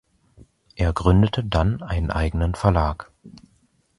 Er gründete dann einen eigenen Verlag.